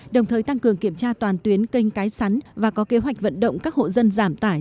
đồng thời tăng cường kiểm tra toàn tuyến kênh cái sắn và có kế hoạch vận động các hộ dân giảm tải